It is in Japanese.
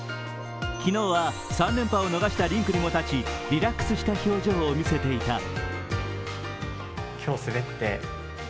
昨日は３連覇を逃したリンクにも立ち、リラックスした表情を見せていた。